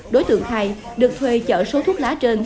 đối tượng thay được thuê chợ số thuốc lá trên